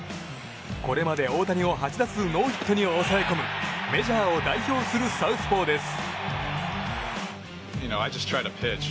これまで大谷を８打数ノーヒットに抑え込むメジャーを代表するサウスポーです。